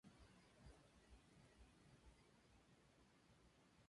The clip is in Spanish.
Volker fue enterrado en Neumünster.